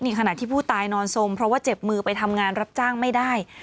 ขณะที่ผู้ตายนอนสมเพราะว่าเจ็บมือไปทำงานรับจ้างไม่ได้